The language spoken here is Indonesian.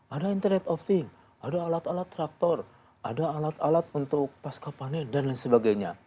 ada internet of thing ada alat alat traktor ada alat alat untuk pasca panen dan lain sebagainya